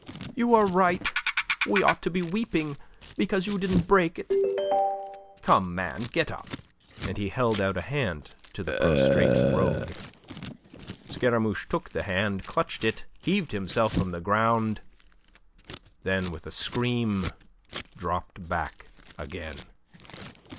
"You are right. We ought to be weeping because you didn't break it. Come, man, get up," and he held out a hand to the prostrate rogue. Scaramouche took the hand, clutched it, heaved himself from the ground, then with a scream dropped back again.